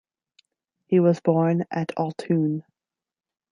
He was born at Autun.